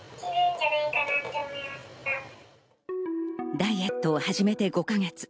ダイエットを始めて５か月。